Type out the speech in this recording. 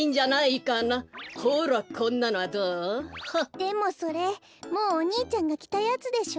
でもそれもうお兄ちゃんがきたやつでしょ？